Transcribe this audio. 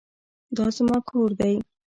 دا زما کور دی.